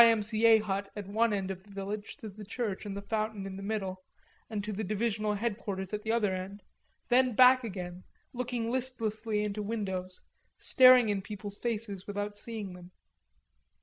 M. C. A. hut at one end of the village to the church and the fountain in the middle, and to the Divisional Headquarters at the other end, then back again, looking listlessly into windows, staring in people's faces without seeing them.